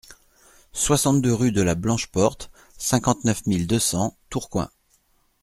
soixante-deux rue de la Blanche Porte, cinquante-neuf mille deux cents Tourcoing